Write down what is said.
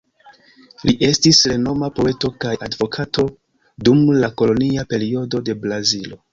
Li estis renoma poeto kaj advokato dum la kolonia periodo de Brazilo.